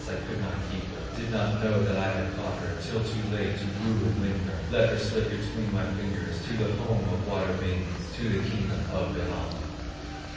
I could not keep her, Did not know that I had caught her Till too late to woo and win her; Let her slip between my fingers To the home of water maidens, To the kingdom of Wellamo."